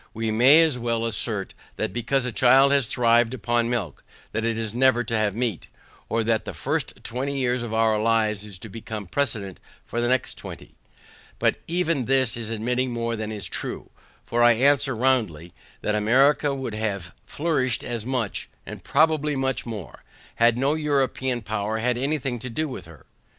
We may as well assert that because a child has thrived upon milk, that it is never to have meat, or that the first twenty years of our lives is to become a precedent for the next twenty. But even this is admitting more than is true, for I answer roundly, that America would have flourished as much, and probably much more, had no European power had any thing to do with her.